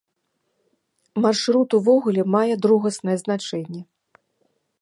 Маршрут увогуле мае другаснае значэнне.